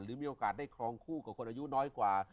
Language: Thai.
มีโอกาสได้ครองคู่กับคนอายุน้อยกว่า